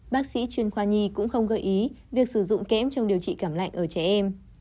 bác sĩ chuyên khoa nhi cũng không gợi ý việc sử dụng kém trong điều trị cảm lạnh ở trẻ em